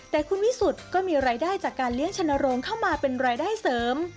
แต่คุณวิสุทธิ์ก็มีรายได้จากการเลี้ยงชนโรงเข้ามาเป็นรายได้เสริม